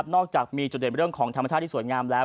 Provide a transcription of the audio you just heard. จากมีจุดเด่นเรื่องของธรรมชาติที่สวยงามแล้ว